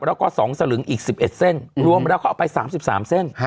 แล้วก็๒สลึงอีก๑๑เส้นรวมแล้วเขาเอาไป๓๓เส้น